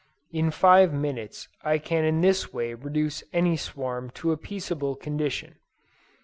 In five minutes I can in this way reduce any swarm to a peaceable condition.